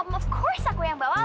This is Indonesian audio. tentu saya yang bawa